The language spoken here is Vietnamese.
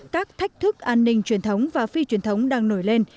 các thách thức an ninh truyền thống và phi truyền thống đang nổi lên